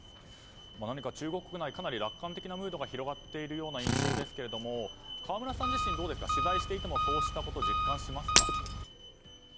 何か、中国国内はかなり楽観的なムードが広がっているような印象ですけれども河村さん自身、取材していてもそうしたこと実感しますか？